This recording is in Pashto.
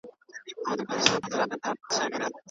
په ټولنه کي بايد همکاري او خواخوږي وي.